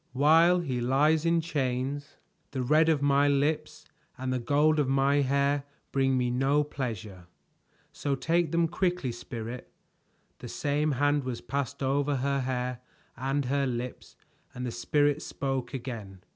"While he lies in chains, the red of my lips and the gold of my hair bring me no pleasure; so take them quickly, Spirit." The same hand was passed over her hair and her lips and the Spirit spoke again.